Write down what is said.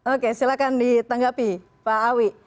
oke silahkan ditanggapi pak awi